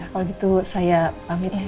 kalau gitu saya pamit ya